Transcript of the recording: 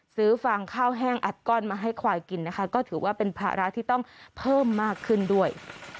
ฟางข้าวแห้งอัดก้อนมาให้ควายกินนะคะก็ถือว่าเป็นภาระที่ต้องเพิ่มมากขึ้นด้วย